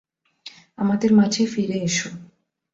আমাদের মাঝে ফিরে এসো।